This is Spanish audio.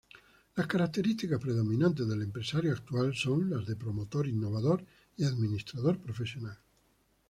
Las características predominantes del empresario actual son las de promotor, innovador y administrador profesional.